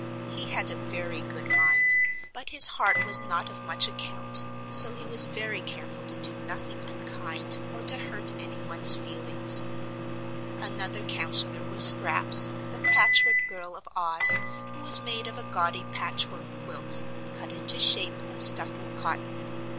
He had a very good mind, but his heart was not of much account, so he was very careful to do nothing unkind or to hurt anyone's feelings. Another counsellor was Scraps, the Patchwork Girl of Oz, who was made of a gaudy patchwork quilt, cut into shape and stuffed with cotton.